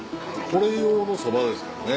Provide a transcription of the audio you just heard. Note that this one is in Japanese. これ用のそばですからね。